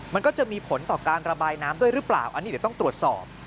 มันก็จะมีผลต่อการระบายน้ำด้วยหรือเปล่าอันนี้เดี๋ยวต้องตรวจสอบ